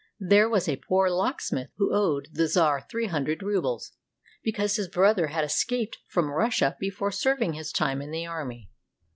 There was a poor locksmith who owed the czar three hundred rubles, because his brother had escaped from Russia before serving his time in the army.